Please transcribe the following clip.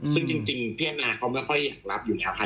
ซึ่งจริงพี่แอนนาเขาไม่ค่อยอยากรับอยู่นะคะ